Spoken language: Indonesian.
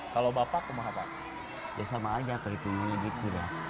kalau bapak bapak biasa aja perhitungannya gitu ya